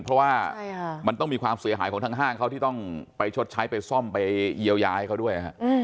เพราะว่ามันต้องมีความเสียหายของทางห้างเขาที่ต้องไปชดใช้ไปซ่อมไปเยียวยาให้เขาด้วย